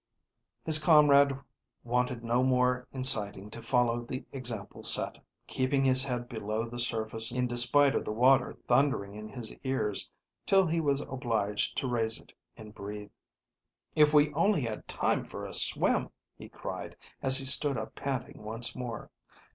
His comrade wanted no more inciting to follow the example set, keeping his head below the surface in despite of the water thundering in his ears, till he was obliged to raise it and breathe. "If we only had time for a swim," he cried, as he stood up panting once more.